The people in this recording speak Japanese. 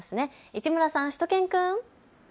市村さん、しゅと犬くん。